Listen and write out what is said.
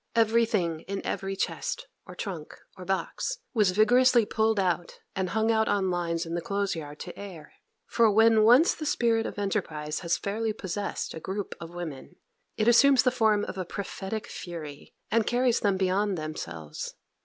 Everything in every chest, or trunk, or box, was vigorously pulled out and hung out on lines in the clothes yard to air, for when once the spirit of enterprise has fairly possessed a group of women, it assumes the form of a 'prophetic fury,' and carries them beyond themselves.